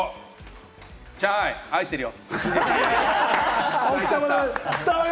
チャンアイ、愛してるよ！